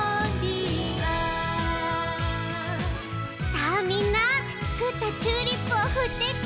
さあみんなつくったチューリップをふってち。